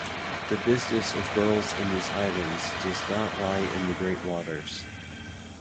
The business of girls in these islands does not lie in the great waters.